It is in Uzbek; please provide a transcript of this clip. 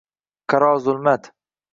Qaro zulmat